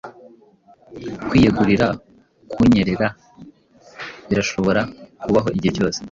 Kwiyegurira kunyerera birashobora kubaho igihe cyose.